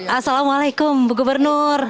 assalamualaikum bu gubernur